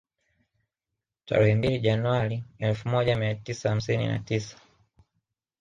Tarehe mbili Januari elfu moja mia tisa hamsini na tisa